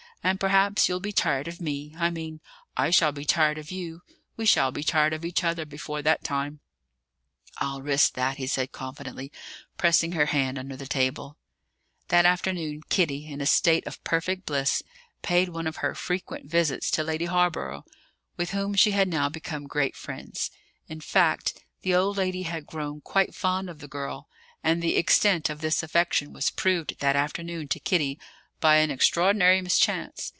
And perhaps you'll be tired of me I mean, I shall be tired of you we shall be tired of each other, before that time." "I'll risk that," he said confidently, pressing her hand under the table. That afternoon Kitty, in a state of perfect bliss, paid one of her frequent visits to Lady Hawborough, with whom she had now become great friends; in fact, the old lady had grown quite fond of the girl; and the extent of this affection was proved that afternoon to Kitty by an extraordinary mischance.